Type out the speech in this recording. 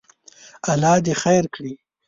الله دې خیر کړي.